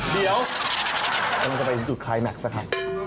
เดี๋ยวเราก็จะไปจุดคลายแม็กซ์ค่ะ